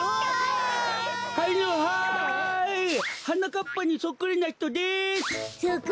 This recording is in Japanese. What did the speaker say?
はなかっぱにそっくりなひとです。